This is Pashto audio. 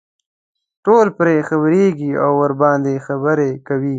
ټول پرې خبرېږي او ورباندې خبرې کوي.